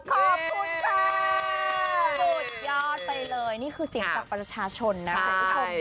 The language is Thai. ขอบคุณค่ะสุดยอดไปเลยนี่คือเสียงจากประชาชนนะคุณผู้ชม